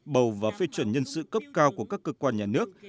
bầu và phê chuẩn nhân sự cấp cao của các cơ quan nhà nước